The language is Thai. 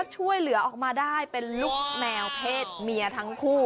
ช่วยเหลือออกมาได้เป็นลูกแมวเพศเมียทั้งคู่